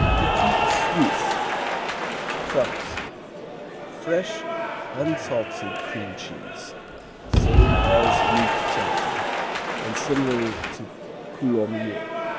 Petit Suisse France Fresh, unsalted cream cheese. The same as Neufchâtel and similar to Coulommiers.